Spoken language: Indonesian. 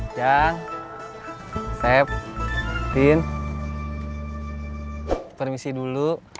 jang sep din permisi dulu